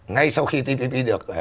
ngay sau khi tpp được một mươi hai năm